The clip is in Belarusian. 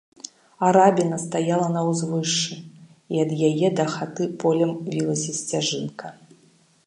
Арабіна стаяла на ўзвышшы, і ад яе да хаты полем вілася сцяжынка.